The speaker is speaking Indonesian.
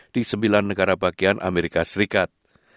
di sembilan negara bagian amerika serikat